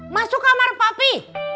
masuk kamar papi